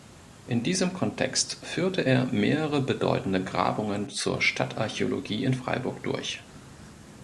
In diesem Kontext führte er mehrere bedeutende Grabungen zur Stadtarchäologie in Freiburg durch.